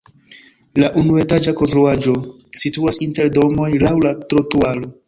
La unuetaĝa konstruaĵo situas inter domoj laŭ la trotuaro.